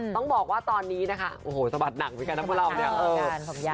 ต้องบอกว่าตอนนี้นะคะโอ้โหสะบัดหนังไปกันนะพอรอบ